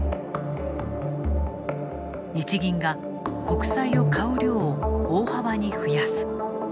日銀が国債を買う量を大幅に増やす。